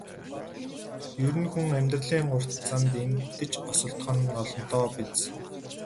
Ер нь хүн амьдралын урт замд эндэж осолдох нь олонтоо биз.